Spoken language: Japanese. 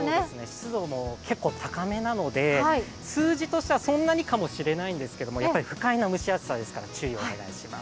湿度も結構高めなので、数字としてはそんなにかもしれないんですけれどもやっぱり不快な蒸し暑さですから注意をお願いします。